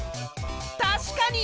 確かに！